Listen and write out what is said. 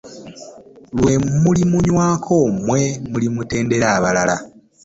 Lwe mulimunywako mmwe mulimutendera abalala.